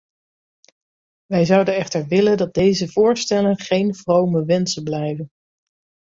Wij zouden echter willen dat deze voorstellen geen vrome wensen blijven.